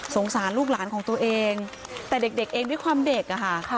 สารลูกหลานของตัวเองแต่เด็กเองด้วยความเด็กอะค่ะ